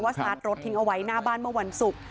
สตาร์ทรถทิ้งเอาไว้หน้าบ้านเมื่อวันศุกร์